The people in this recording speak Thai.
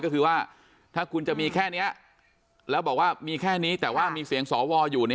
ก็คือว่าถ้าคุณจะมีแค่นี้แล้วบอกว่ามีแค่นี้แต่ว่ามีเสียงสวอยู่